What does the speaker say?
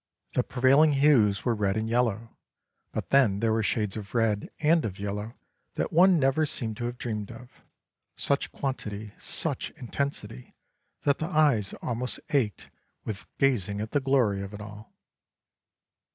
The prevailing hues were red and yellow; but then there were shades of red and of yellow that one never seemed to have dreamed of, such quantity, such intensity that the eyes almost ached with gazing at the glory of it all.